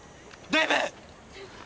デブ！